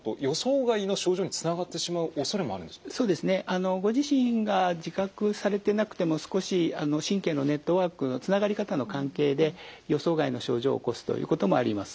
あのご自身が自覚されてなくても少し神経のネットワークのつながり方の関係で予想外の症状を起こすということもあります。